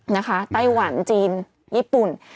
ไต้หวันจีนญี่ปุ่น